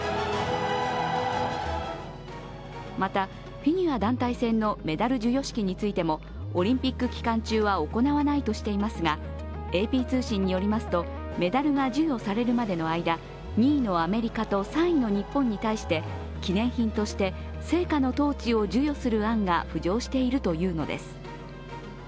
またフィギュア団体戦のメダル授与式についてもオリンピック期間中は行わないとしていますが、ＡＰ通信によりますとメダルが授与されるまでの間、２位のアメリカと３位の日本に対して記念品として聖火のトーチを授与する案が浮上しているというのです。